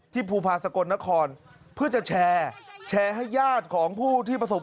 ภูพาสกลนครเพื่อจะแชร์แชร์ให้ญาติของผู้ที่ประสบ